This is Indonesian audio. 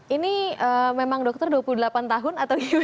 ini memang dokter dua puluh delapan tahun atau gimana